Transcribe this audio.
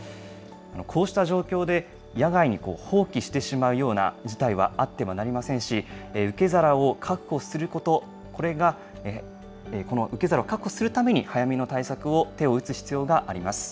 こうした状況で、野外に放棄してしまうような事態はあってはなりませんし、受け皿を確保すること、この受け皿を確保するために早めの対策を手を打つ必要があります。